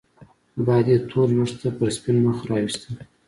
باد يې تور وېښته پر سپين مخ راوستل